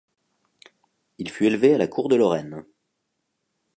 Il fut élevé à la cour de Lorraine.